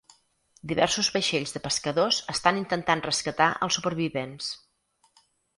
Diversos vaixells de pescadors estan intentant rescatar als supervivents.